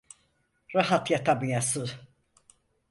Rahat yatamıyası…